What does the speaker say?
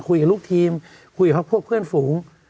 คุยกับลูกทีมคุยกับพวกเพื่อนฝูง